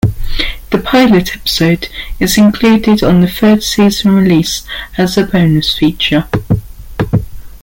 The pilot episode is included on the third season release as a bonus feature.